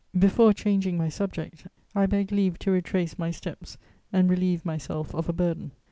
Before changing my subject, I beg leave to retrace my steps and relieve myself of a burden.